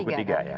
buku ketiga ya